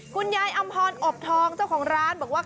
คุณยายอำพรโอบทองเจ้าของร้านบอกว่า